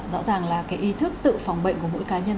rõ ràng là cái ý thức tự phòng bệnh của mỗi cá nhân